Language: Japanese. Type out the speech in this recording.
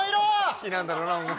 好きなんだろうな音楽。